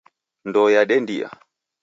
Ndoo yadendia